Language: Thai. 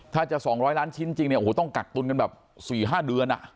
ถ้าจะจริง๒๐๐ล้านชิ้นต้องกักตุลกัน๔๕เดือน